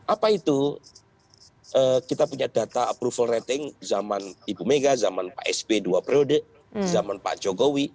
apa itu kita punya data approval rating zaman ibu mega zaman pak sp dua periode zaman pak jokowi